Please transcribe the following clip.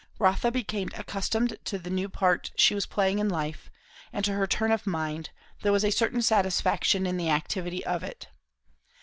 Rotha became accustomed to the new part she was playing in life; and to her turn of mind, there was a certain satisfaction in the activity of it.